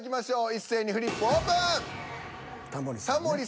一斉にフリップオープン！